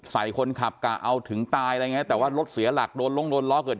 ใส่คนขับกะเอาถึงตายอะไรอย่างเงี้แต่ว่ารถเสียหลักโดนลงโดนล้อเกิด